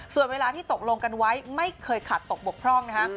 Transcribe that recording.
ส่วนเวลาที่ตกลงกันไว้ไม่เคยขาดตกบกพร่องนะฮะ